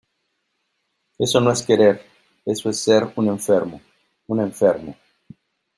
eso no es querer. eso es ser un enfermo . un enfermo .